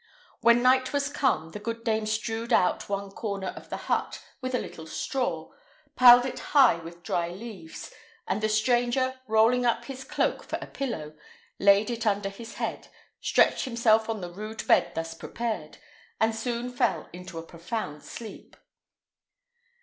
When night was come, the good dame strewed out one corner of the hut with a little straw, piled it high with dry leaves, and the stranger, rolling up his cloak for a pillow, laid it under his head, stretched himself on the rude bed thus prepared, and soon fell into a profound sleep.